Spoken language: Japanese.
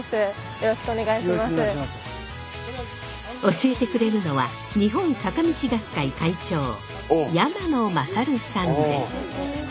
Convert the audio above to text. よろしくお願いします教えてくれるのは日本坂道学会会長山野勝さんです。